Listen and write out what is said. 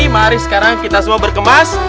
mari sekarang kita semua berkemas